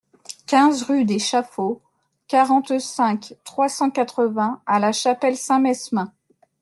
quinze rue des Chaffauts, quarante-cinq, trois cent quatre-vingts à La Chapelle-Saint-Mesmin